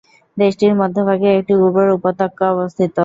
দেশটির মধ্যভাগে একটি উর্বর উপত্যকা অবস্থিত।